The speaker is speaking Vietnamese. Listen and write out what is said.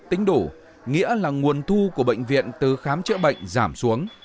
tính đủ nghĩa là nguồn thu của bệnh viện từ khám chữa bệnh giảm xuống